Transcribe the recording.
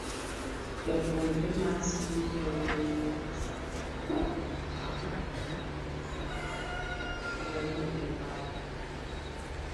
Japuonjre mar skund yawuoyi ma kisii ochuyo jopuonj ariyo gi pala